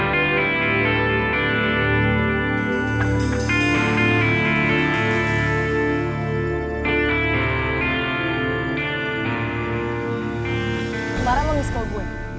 kemaren lo di sekolah gue